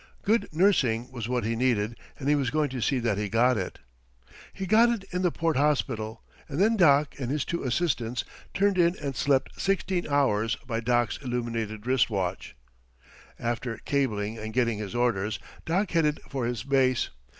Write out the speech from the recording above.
Good nursing was what he needed; and he was going to see that he got it. He got it in the port hospital; and then Doc and his two assistants turned in and slept sixteen hours by Doc's illuminated wrist watch. After cabling and getting his orders, Doc headed for his base.